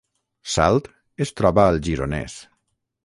Salt es troba al Gironès